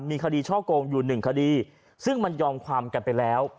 มีคดีช่อโกงอยู่หนึ่งคดีซึ่งมันยอมความกันไปแล้ว